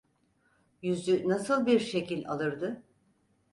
Yüzü nasıl bir şekil alırdı?